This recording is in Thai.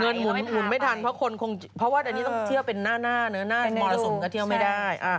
เงินหุ่นไม่ทันเพราะว่าแบบนี้ต้องเที่ยวเป็นหน้าถึงเที่ยวไม่ได้